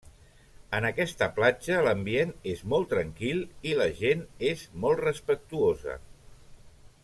En aquesta platja, l'ambient és molt tranquil i la gent és molt respectuosa.